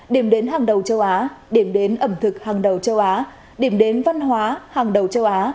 điểm đến hàng đầu châu á điểm đến ẩm thực hàng đầu châu á điểm đến văn hóa hàng đầu châu á